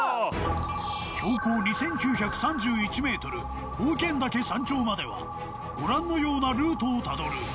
標高２９３１メートル、宝剣岳山頂までは、ご覧のようなルートをたどる。